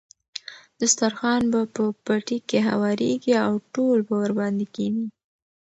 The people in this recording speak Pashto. دسترخوان به په پټي کې هوارېږي او ټول به ورباندې کېني.